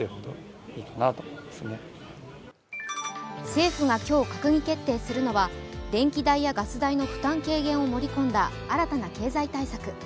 政府が今日、閣議決定するのは、電気代やガス代の負担軽減を盛り込んだ新たな経済対策。